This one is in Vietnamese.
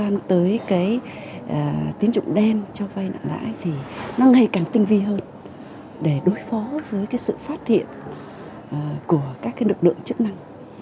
nó ngày càng tinh vi hơn để đối phó với sự phát hiện của các lực lượng chức năng